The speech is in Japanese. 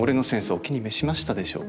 お気に召しましたでしょうか？